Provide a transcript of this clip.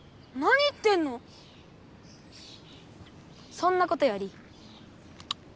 そんなことより。